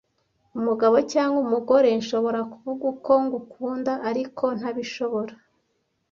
Umugabo cyangwa umugore, nshobora kuvuga uko ngukunda, ariko ntabishobora,